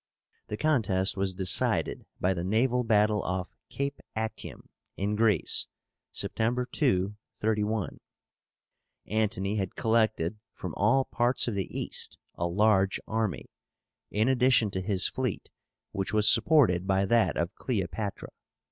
The contest was decided by the naval battle off Cape Actium, in Greece, September 2, 31. Antony had collected from all parts of the East a large army, in addition to his fleet, which was supported by that of Cleopátra.